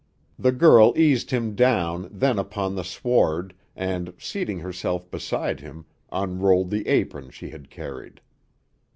The girl eased him down then upon the sward, and, seating herself beside him, unrolled the apron she had carried.